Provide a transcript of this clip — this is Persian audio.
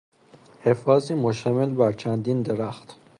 حفاظی مشتمل بر چندین درخت